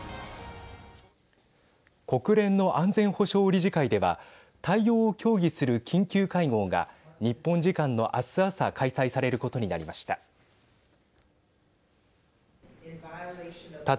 国連の安全保障理事会では対応を協議する緊急会合が日本時間の明日朝開催されることになりました。